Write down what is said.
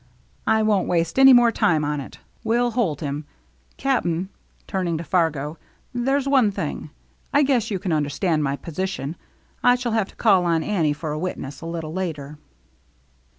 I won't waste any more time on it. We'll hold him. Cap'n," turn ing to Fargo, "there's one thing — I guess you can understand my position — I shall have to call on Annie for a witness, a little later."